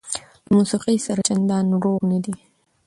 له موسقۍ سره چنديان روغ نه دي